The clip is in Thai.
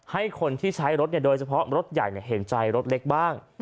ให้คนที่ใช้รถโดยเฉพาะรถใหญ่เห็นใจรถเล็กบ้าง